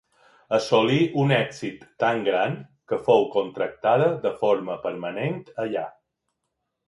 Assolí un èxit tan gran que fou contractada de forma permanent allà.